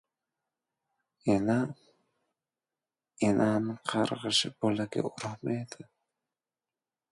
Ena, enani qarg‘ishi bolaga urmaydi.